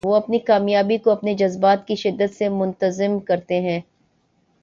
وہ اپنی کامیابی کو اپنے جذبات کی شدت سے منتظم کرتے ہیں۔